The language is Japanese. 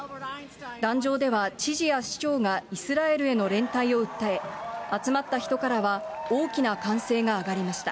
壇上では、知事や市長がイスラエルへの連帯を訴え、集まった人からは、大きな歓声が上がりました。